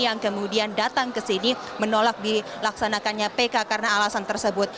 yang kemudian datang ke sini menolak dilaksanakannya pk karena alasan tersebut